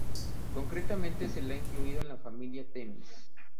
Concretamente se le ha incluido en la familia Temis.